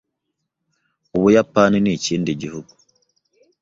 Ubuyapani ni ikindi gihugu